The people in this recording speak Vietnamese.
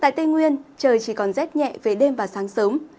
tại tây nguyên trời chỉ còn rét nhẹ về đêm và sáng sớm